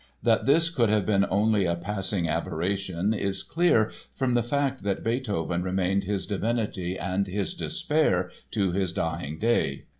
That this could have been only a passing aberration is clear from the fact that Beethoven remained his divinity and his despair to his dying day.